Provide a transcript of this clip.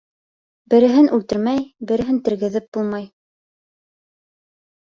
Береһен үлтермәй, береһен тергеҙеп булмай.